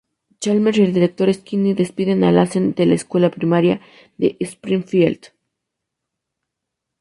Chalmers y el Director Skinner despiden a Lassen de la Escuela Primaria de Springfield.